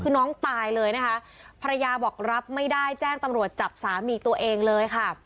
คือน้องตายเลยนะคะภรรยาบอกรับไม่ได้แจ้งตำรวจจับสามีตัวเองเลยค่ะ